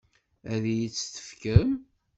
Ad iyi-tt-tefkem?